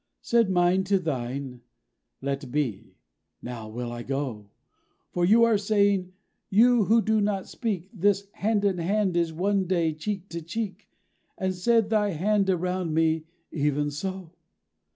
'_ _Said mine to thine: 'Let be. Now will I go! For you are saying, you who do not speak, This hand in hand is one day cheek to cheek!' And said thy hand around me, 'Even so.'